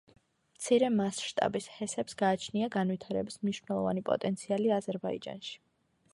მცირე მასშტაბის ჰესებს გააჩნია განვითარების მნიშვნელოვანი პოტენციალი აზერბაიჯანში.